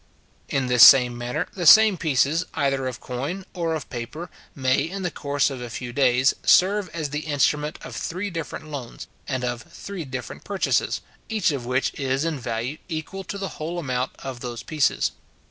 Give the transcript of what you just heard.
In this manner, the same pieces, either of coin or of paper, may, in the course of a few days, serve as the Instrument of three different loans, and of three different purchases, each of which is, in value, equal to the whole amount of those pieces.